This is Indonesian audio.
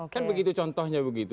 kan begitu contohnya begitu